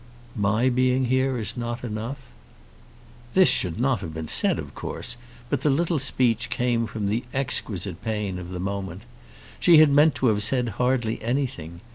"My being here is not enough?" This should not have been said, of course, but the little speech came from the exquisite pain of the moment. She had meant to have said hardly anything.